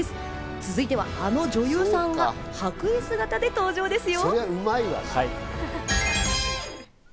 続いては、あの女優さんが白衣姿で登場ですよ。